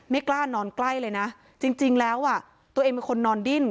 กล้านอนใกล้เลยนะจริงแล้วอ่ะตัวเองเป็นคนนอนดิ้น